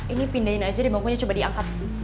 ini pindahin aja dia mau aja coba diangkat